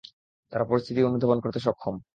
তারা পরিস্থিতি অনুধাবন করতে সক্ষম।